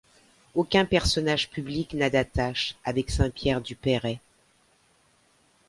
Aucun personnage public n'a d'attache avec Saint-Pierre-du-Perray.